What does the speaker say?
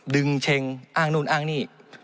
ดึงเช็งว่าอ้างนู่นนี่